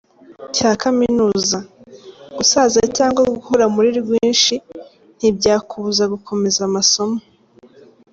cya kaminuza! Gusaza cyangwa guhora muri rwinshi ntibyakubuza gukomeza amasomo.